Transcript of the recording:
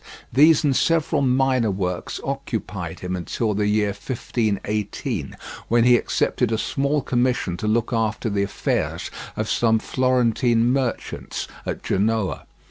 These and several minor works occupied him until the year 1518, when he accepted a small commission to look after the affairs of some Florentine merchants at Genoa.